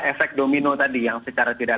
efek domino tadi yang secara tidak